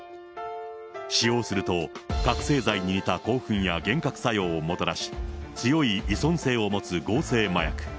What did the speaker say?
使用すると覚醒剤に似た興奮や幻覚作用をもたらし、強い依存性を持つ合成麻薬。